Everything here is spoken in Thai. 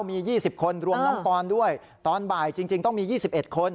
มี๒๐คนรวมน้องปอนด้วยตอนบ่ายจริงต้องมี๒๑คน